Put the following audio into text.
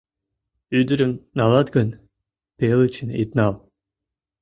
Ӱдырым налат гын, пелычын ит нал